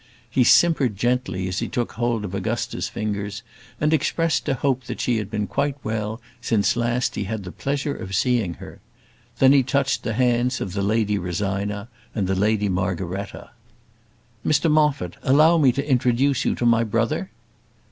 He simpered gently as he took hold of Augusta's fingers, and expressed a hope that she had been quite well since last he had the pleasure of seeing her. Then he touched the hands of the Lady Rosina and the Lady Margaretta. "Mr Moffat, allow me to introduce you to my brother?"